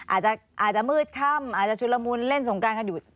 อาจจะมืดค่ำอาจจะชุดละมุนเล่นสงการกันอยู่